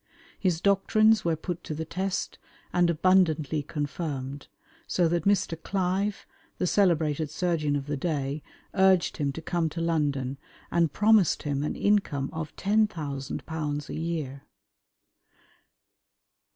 His doctrines were put to the test and abundantly confirmed, so that Mr. Clive, the celebrated surgeon of the day, urged him to come to London, and promised him an income of £10,000 a year.